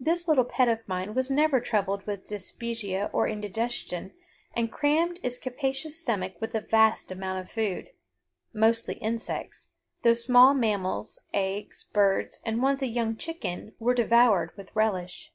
This little pet of mine was never troubled with dyspepsia or indigestion and crammed its capacious stomach with a vast amount of food mostly insects though small mammals, eggs, birds, and once a young chicken were devoured with relish.